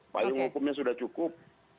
payung hukumnya sudah cukup